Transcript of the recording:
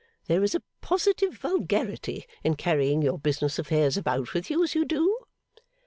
There is a positive vulgarity in carrying your business affairs about with you as you do.